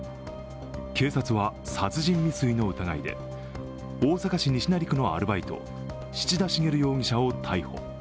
警察は、殺人未遂の疑いで大阪市西成区のアルバイト、七田茂容疑者を逮捕。